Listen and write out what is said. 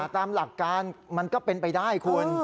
ตามหลักการมันก็เป็นไปได้คุณ